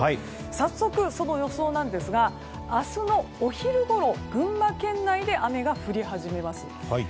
早速その予想なんですが明日のお昼ごろ群馬県内で雨が降り始めます。